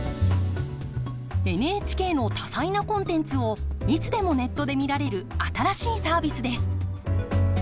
ＮＨＫの多彩なコンテンツをいつでもネットで見られる新しいサービスです。